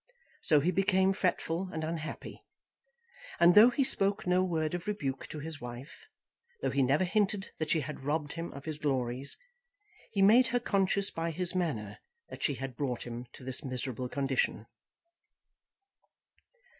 So he became fretful and unhappy; and though he spoke no word of rebuke to his wife, though he never hinted that she had robbed him of his glories, he made her conscious by his manner that she had brought him to this miserable condition.